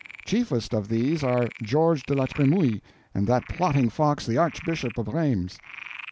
Chiefest of these are Georges de la Tremouille and that plotting fox, the Archbishop of Rheims.